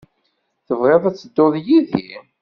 Tebɣiḍ ad tedduḍ yid-i?